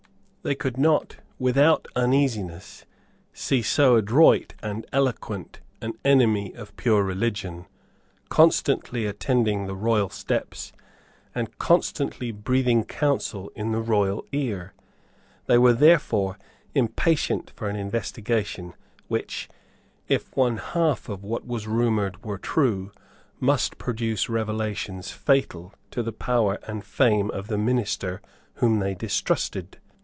They could not without uneasiness see so adroit and eloquent an enemy of pure religion constantly attending the royal steps and constantly breathing counsel in the royal ear. They were therefore impatient for an investigation, which, if one half of what was rumoured were true, must produce revelations fatal to the power and fame of the minister whom they distrusted.